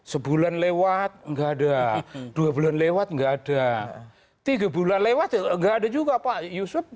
sebulan lewat nggak ada dua bulan lewat nggak ada tiga bulan lewat ya nggak ada juga pak yusuf